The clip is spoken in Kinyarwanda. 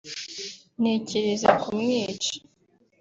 ntekereza kumwica